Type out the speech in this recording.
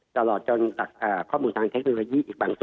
ตลอดจนข้อมูลทางเทคโนโลยีอีกบางส่วน